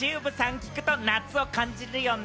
聴くと、夏を感じるよね。